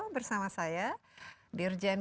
bersama saya dirjen